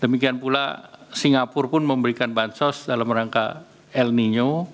demikian pula singapura pun memberikan bansos dalam rangka el nino